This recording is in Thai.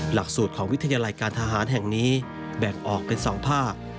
หลักสูตรของวิทยาลัยการทหารแห่งนี้แบ่งออกเป็น๒ภาค